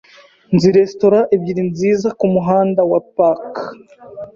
Nzi resitora ebyiri nziza kumuhanda wa Park.